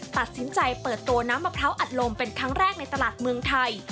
ตัดสินใจเปิดตัวน้ำมะพร้าวอัดลมเป็นครั้งแรกในตลาดเมืองไทย